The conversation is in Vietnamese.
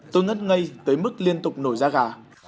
tôi ngất ngay tới mức liên tục nổi da gà